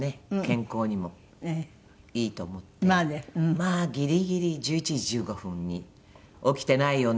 まあギリギリ１１時１５分に起きてないよね？